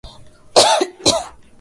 Mwaka elfumoja miasaba sabini na tatu